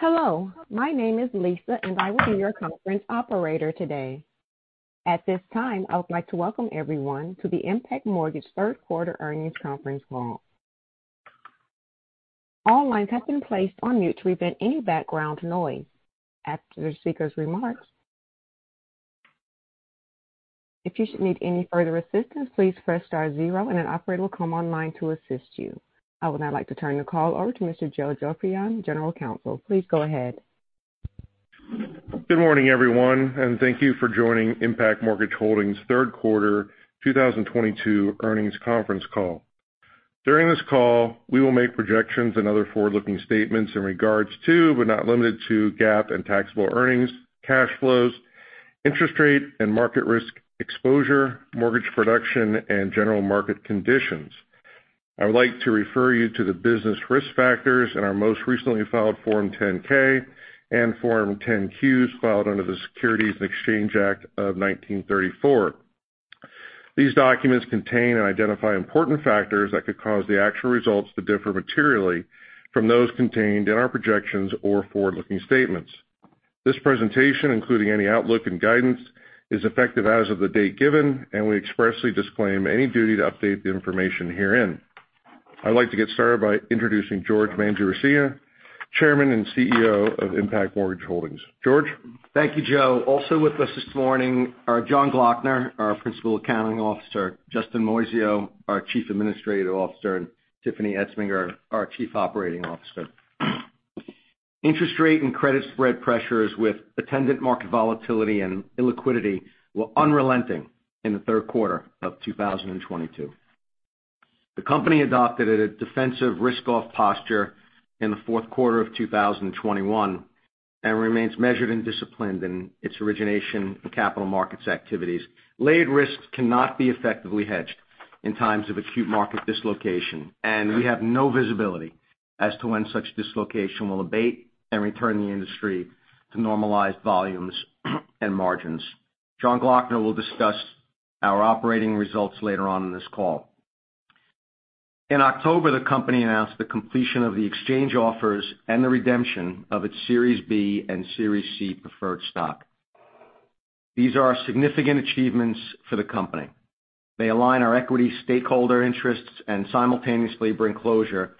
Hello. My name is Lisa, and I will be your conference operator today. At this time, I would like to welcome everyone to the Impac Mortgage third quarter earnings conference call. All lines have been placed on mute to prevent any background noise. After the speaker's remarks. If you should need any further assistance, please press star zero and an operator will come online to assist you. I would now like to turn the call over to Mr. Joseph Joffrion, General Counsel. Please go ahead. Good morning, everyone, and thank you for joining Impac Mortgage Holdings third quarter 2022 earnings conference call. During this call, we will make projections and other forward-looking statements in regards to, but not limited to, GAAP and taxable earnings, cash flows, interest rate and market risk exposure, mortgage production, and general market conditions. I would like to refer you to the business risk factors in our most recently filed Form 10-K and Form 10-Qs filed under the Securities Exchange Act of 1934. These documents contain and identify important factors that could cause the actual results to differ materially from those contained in our projections or forward-looking statements. This presentation, including any outlook and guidance, is effective as of the date given, and we expressly disclaim any duty to update the information herein. I'd like to get started by introducing George Mangiaracina, Chairman and CEO of Impac Mortgage Holdings. George. Thank you, Joe. Also with us this morning are Jon Gloeckner, our Principal Accounting Officer, Justin Moisio, our Chief Administrative Officer, and Tiffany Entsminger, our Chief Operating Officer. Interest rate and credit spread pressures with attendant market volatility and illiquidity were unrelenting in the third quarter of 2022. The company adopted a Defensive Risk-Off posture in the fourth quarter of 2021 and remains measured and disciplined in its origination and capital markets activities. Laid risks cannot be effectively hedged in times of acute market dislocation, and we have no visibility as to when such dislocation will abate and return the industry to normalized volumes and margins. Jon Gloeckner will discuss our operating results later on in this call. In October, the company announced the completion of the exchange offers and the redemption of its Series B and Series C preferred stock. These are significant achievements for the company. They align our equity stakeholder interests and simultaneously bring closure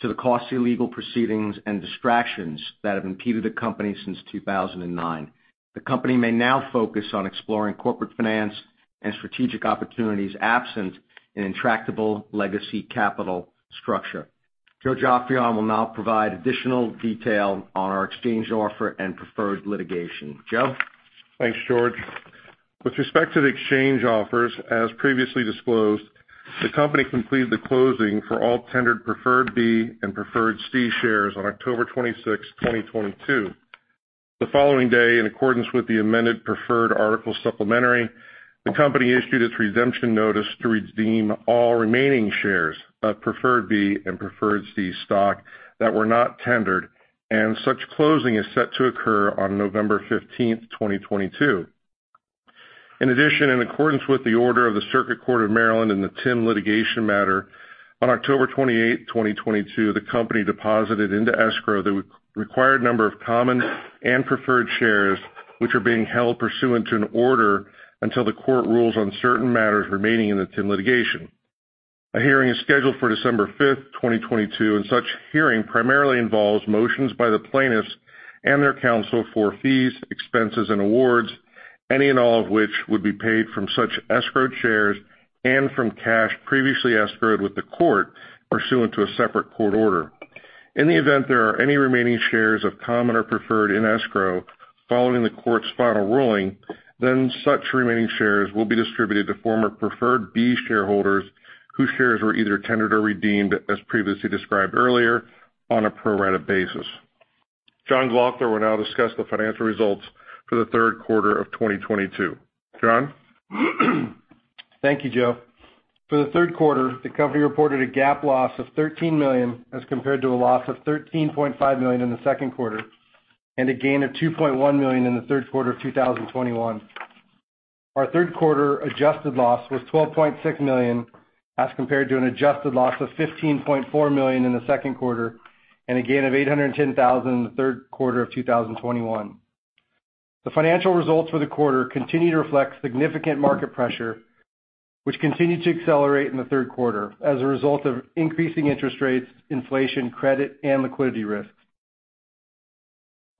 to the costly legal proceedings and distractions that have impeded the company since 2009. The company may now focus on exploring corporate finance and strategic opportunities absent an intractable legacy capital structure. Joe Joffrion will now provide additional detail on our exchange offer and preferred litigation. Joe. Thanks, George. With respect to the exchange offers, as previously disclosed, the company completed the closing for all tendered Preferred B and Preferred C shares on October 26, 2022. The following day, in accordance with the amended preferred articles supplementary, the company issued its redemption notice to redeem all remaining shares of Preferred B and Preferred C stock that were not tendered, and such closing is set to occur on November 15, 2022. In addition, in accordance with the order of the Circuit Court of Maryland in the TIM litigation matter, on October 28, 2022, the company deposited into escrow the required number of common and preferred shares which are being held pursuant to an order until the court rules on certain matters remaining in the TIM litigation. A hearing is scheduled for December 5, 2022, and such hearing primarily involves motions by the plaintiffs and their counsel for fees, expenses, and awards, any and all of which would be paid from such escrowed shares and from cash previously escrowed with the court pursuant to a separate court order. In the event there are any remaining shares of common or preferred in escrow following the court's final ruling, then such remaining shares will be distributed to former Series B Preferred shareholders whose shares were either tendered or redeemed as previously described earlier on a pro rata basis. Jon Gloeckner will now discuss the financial results for the third quarter of 2022. Jon. Thank you, Joe. For the third quarter, the company reported a GAAP loss of $13 million as compared to a loss of $13.5 million in the second quarter and a gain of $2.1 million in the third quarter of 2021. Our third quarter adjusted loss was $12.6 million, as compared to an adjusted loss of $15.4 million in the second quarter and a gain of $810 thousand in the third quarter of 2021. The financial results for the quarter continue to reflect significant market pressure, which continued to accelerate in the third quarter as a result of increasing interest rates, inflation, credit, and liquidity risks.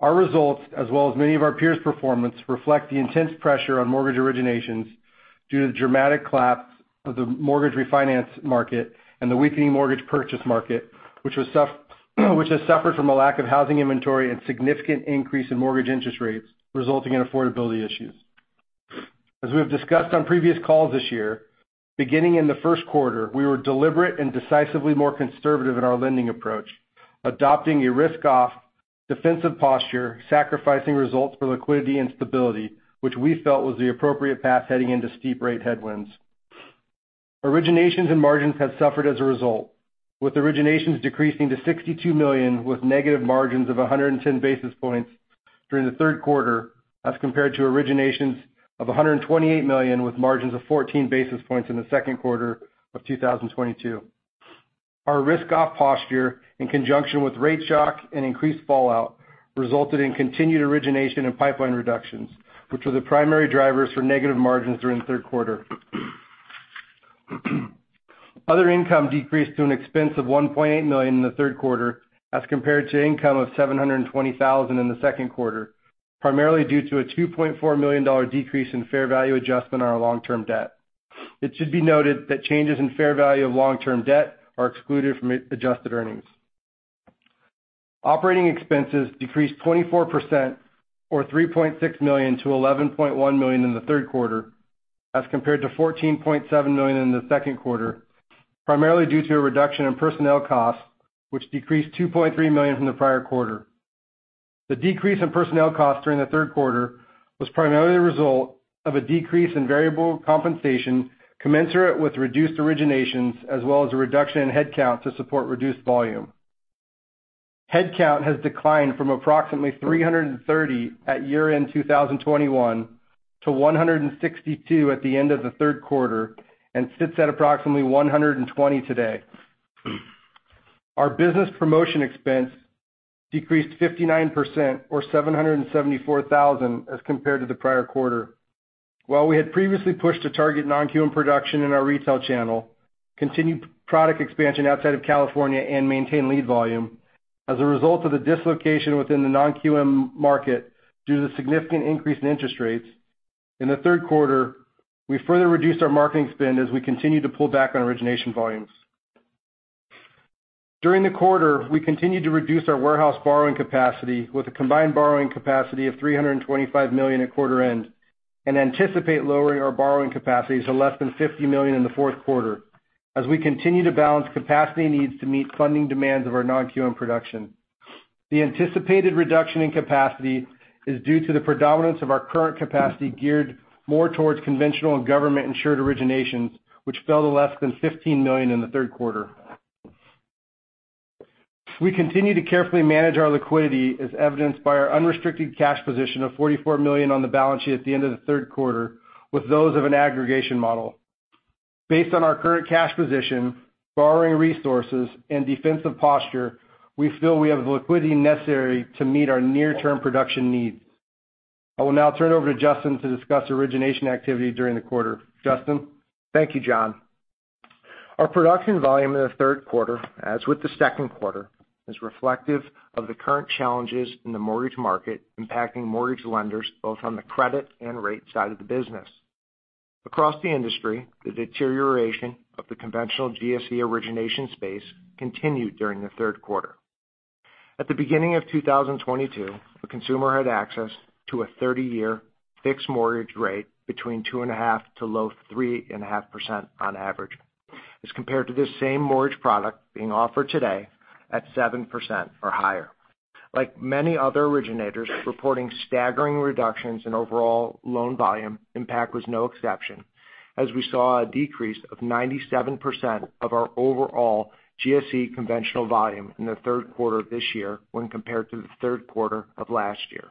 Our results, as well as many of our peers' performance, reflect the intense pressure on mortgage originations due to the dramatic collapse of the Mortgage Refinance market and the weakening Mortgage Purchase market, which has suffered from a lack of housing inventory and significant increase in mortgage interest rates, resulting in affordability issues. As we have discussed on previous calls this year, beginning in the first quarter, we were deliberate and decisively more conservative in our lending approach, adopting a Risk-Off Defensive posture, sacrificing results for liquidity and stability, which we felt was the appropriate path heading into steep rate headwinds. Originations and margins have suffered as a result, with originations decreasing to $62 million, with negative margins of 110 basis points. During the third quarter, as compared to originations of $128 million with margins of 14 basis points in the second quarter of 2022. Our Risk-Off posture, in conjunction with rate shock and increased fallout, resulted in continued origination and pipeline reductions, which were the primary drivers for negative margins during the third quarter. Other income decreased to an expense of $1.8 million in the third quarter as compared to income of $720,000 in the second quarter, primarily due to a $2.4 million decrease in fair value adjustment on our long-term debt. It should be noted that changes in fair value of long-term debt are excluded from EBITDA-adjusted earnings. Operating expenses decreased 24% or $3.6 million to $11.1 million in the third quarter, as compared to $14.7 million in the second quarter, primarily due to a reduction in personnel costs, which decreased $2.3 million from the prior quarter. The decrease in personnel costs during the third quarter was primarily the result of a decrease in variable compensation commensurate with reduced originations as well as a reduction in headcount to support reduced volume. Headcount has declined from approximately 330 at year-end 2021 to 162 at the end of the third quarter and sits at approximately 120 today. Our Business Promotion expense decreased 59% or $774,000 as compared to the prior quarter. While we had previously pushed to target non-QM production in our Retail channel, continued product expansion outside of California and maintain lead volume. As a result of the dislocation within the non-QM market due to the significant increase in interest rates, in the third quarter, we further reduced our marketing spend as we continued to pull back on origination volumes. During the quarter, we continued to reduce our warehouse borrowing capacity with a combined borrowing capacity of $325 million at quarter end, and anticipate lowering our borrowing capacity to less than $50 million in the fourth quarter as we continue to balance capacity needs to meet funding demands of our non-QM production. The anticipated reduction in capacity is due to the predominance of our current capacity geared more towards conventional and government-insured originations, which fell to less than $15 million in the third quarter. We continue to carefully manage our liquidity as evidenced by our unrestricted cash position of $44 million on the balance sheet at the end of the third quarter with those of an aggregator model. Based on our current cash position, borrowing resources, and defensive posture, we feel we have the liquidity necessary to meet our near term production needs. I will now turn it over to Justin to discuss origination activity during the quarter. Justin. Thank you, Jon. Our production volume in the third quarter, as with the second quarter, is reflective of the current challenges in the mortgage market impacting mortgage lenders both on the credit and rate side of the business. Across the industry, the deterioration of the conventional GSE origination space continued during the third quarter. At the beginning of 2022, the consumer had access to a 30-year fixed mortgage rate between 2.5% to low 3.5% on average, as compared to this same mortgage product being offered today at 7% or higher. Like many other originators reporting staggering reductions in overall loan volume, Impac was no exception, as we saw a decrease of 97% of our overall GSE conventional volume in the third quarter of this year when compared to the third quarter of last year.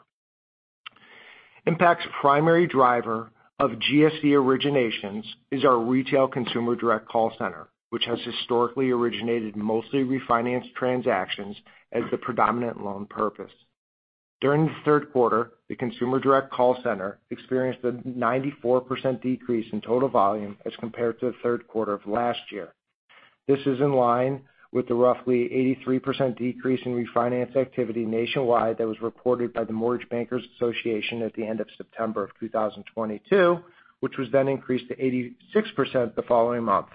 Impac's primary driver of GSE originations is our Retail Consumer Direct Call Center, which has historically originated mostly refinance transactions as the predominant loan purpose. During the third quarter, the consumer direct call center experienced a 94% decrease in total volume as compared to the third quarter of last year. This is in line with the roughly 83% decrease in refinance activity nationwide that was reported by the Mortgage Bankers Association at the end of September of 2022, which was then increased to 86% the following month.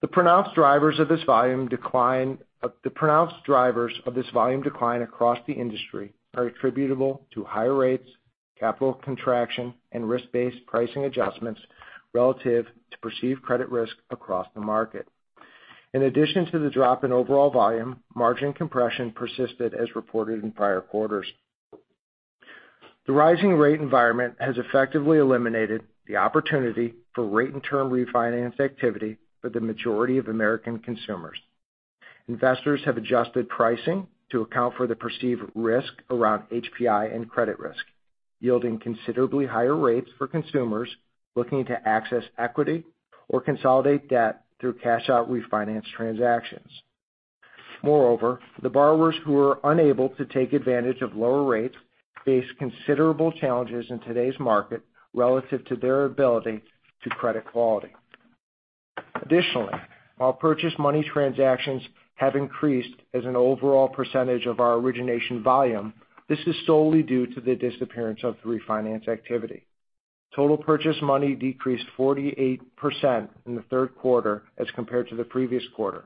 The pronounced drivers of this volume decline across the industry are attributable to higher rates, capital contraction, and risk-based pricing adjustments relative to perceived credit risk across the market. In addition to the drop in overall volume, margin compression persisted as reported in prior quarters. The rising rate environment has effectively eliminated the opportunity for rate and term refinance activity for the majority of American consumers. Investors have adjusted pricing to account for the perceived risk around HPI and credit risk, yielding considerably higher rates for consumers looking to access equity or consolidate debt through cash out refinance transactions. Moreover, the borrowers who are unable to take advantage of lower rates face considerable challenges in today's market relative to their ability to credit quality. Additionally, while purchase money transactions have increased as an overall percentage of our origination volume, this is solely due to the disappearance of the refinance activity. Total purchase money decreased 48% in the third quarter as compared to the previous quarter.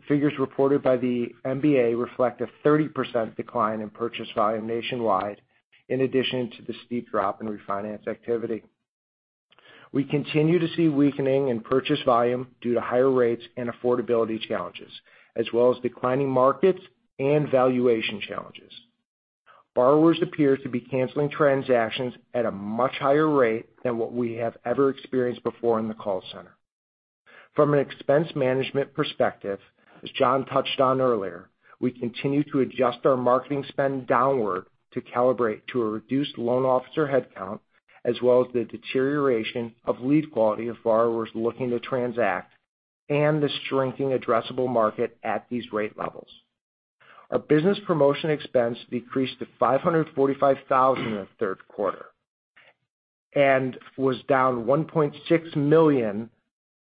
The figures reported by the MBA reflect a 30% decline in purchase volume nationwide in addition to the steep drop in refinance activity. We continue to see weakening in purchase volume due to higher rates and affordability challenges, as well as declining markets and valuation challenges. Borrowers appear to be canceling transactions at a much higher rate than what we have ever experienced before in the call center. From an expense management perspective, as Jon touched on earlier, we continue to adjust our marketing spend downward to calibrate to a reduced loan officer head count, as well as the deterioration of lead quality of borrowers looking to transact and the shrinking addressable market at these rate levels. Our Business Promotion Expense decreased to $545,000 in the third quarter and was down $1.6 million,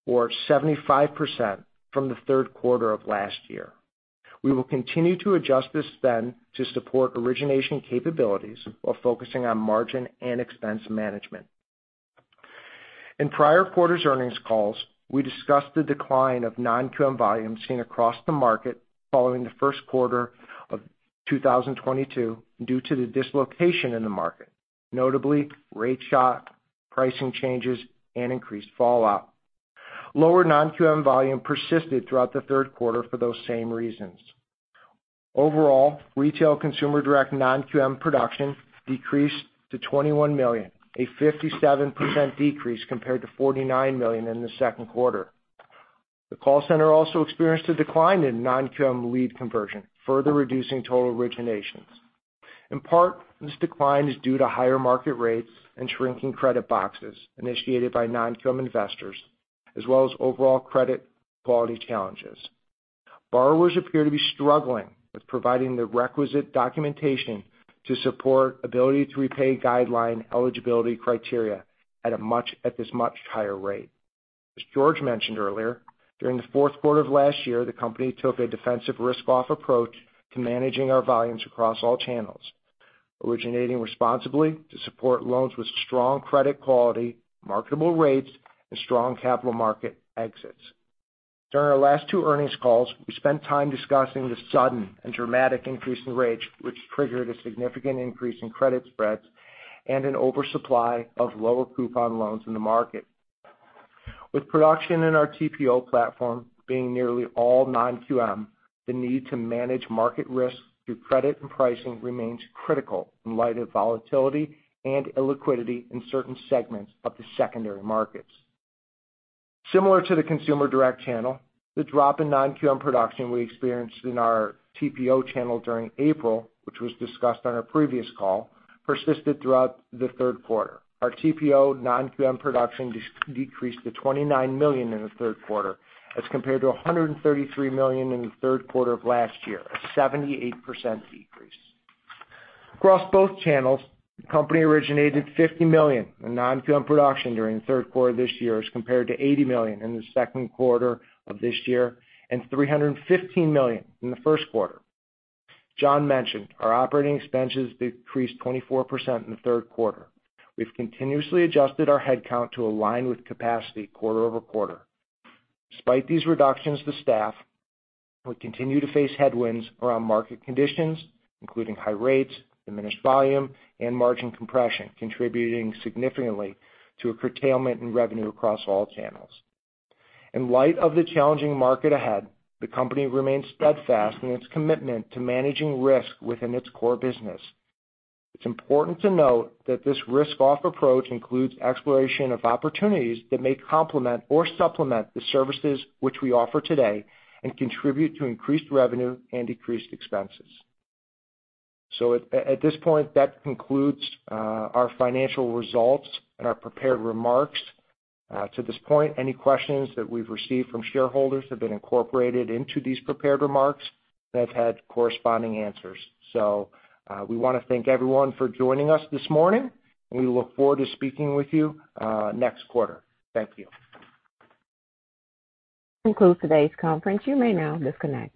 or 75%, from the third quarter of last year. We will continue to adjust this spend to support origination capabilities while focusing on margin and expense management. In prior quarters earnings calls, we discussed the decline of non-QM volume seen across the market following the first quarter of 2022 due to the dislocation in the market, notably rate shock, pricing changes, and increased fallout. Lower non-QM volume persisted throughout the third quarter for those same reasons. Overall, retail consumer direct non-QM production decreased to $21 million, a 57% decrease compared to $49 million in the second quarter. The call center also experienced a decline in non-QM lead conversion, further reducing total originations. In part, this decline is due to higher market rates and shrinking credit boxes initiated by non-QM investors as well as overall credit quality challenges. Borrowers appear to be struggling with providing the requisite documentation to support ability to repay guideline eligibility criteria at this much higher rate. As George mentioned earlier, during the fourth quarter of last year, the company took a defensive risk-off approach to managing our volumes across all channels, originating responsibly to support loans with strong credit quality, marketable rates, and strong capital market exits. During our last two earnings calls, we spent time discussing the sudden and dramatic increase in rates, which triggered a significant increase in credit spreads and an oversupply of lower coupon loans in the market. With production in our TPO platform being nearly all non-QM, the need to manage market risks through credit and pricing remains critical in light of volatility and illiquidity in certain segments of the secondary markets. Similar to the Consumer Direct channel, the drop in non-QM production we experienced in our TPO channel during April, which was discussed on our previous call, persisted throughout the third quarter. Our TPO non-QM production decreased to $29 million in the third quarter as compared to $133 million in the third quarter of last year, a 78% decrease. Across both channels, the company originated $50 million in non-QM production during the third quarter this year as compared to $80 million in the second quarter of this year and $315 million in the first quarter. Jon mentioned our operating expenses decreased 24% in the third quarter. We've continuously adjusted our head count to align with capacity quarter-over-quarter. Despite these reductions to staff, we continue to face headwinds around market conditions, including high rates, diminished volume, and margin compression, contributing significantly to a curtailment in revenue across all channels. In light of the challenging market ahead, the company remains steadfast in its commitment to managing risk within its core business. It's important to note that this risk-off approach includes exploration of opportunities that may complement or supplement the services which we offer today and contribute to increased revenue and decreased expenses. At this point, that concludes our financial results and our prepared remarks. To this point, any questions that we've received from shareholders have been incorporated into these prepared remarks that had corresponding answers. We wanna thank everyone for joining us this morning, and we look forward to speaking with you next quarter. Thank you. Concludes today's conference. You may now disconnect.